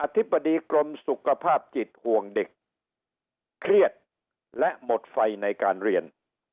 ธิบดีกรมสุขภาพจิตห่วงเด็กเครียดและหมดไฟในการเรียน